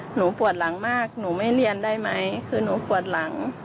หนูปวดหลังมากหนูไม่เรียนได้ไหมคือหนูปวดหลัง